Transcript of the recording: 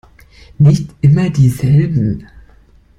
Nicht immer dieselben!